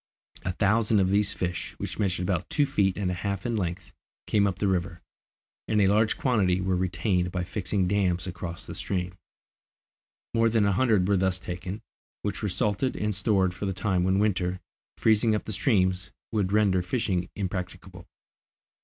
A thousand of these fish, which measured about two feet and a half in length, came up the river, and a large quantity were retained by fixing dams across the stream. More than a hundred were thus taken, which were salted and stored for the time when winter, freezing up the streams, would render fishing impracticable.